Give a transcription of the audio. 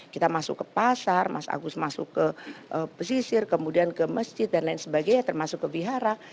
kita masuk ke pasar mas agus masuk ke pesisir kemudian ke masjid dan lain sebagainya termasuk ke bihara